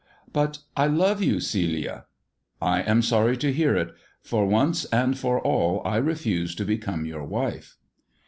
''" But I love you, Celia." " I am sorry to hear it, for once and for all I refuse to become your wife."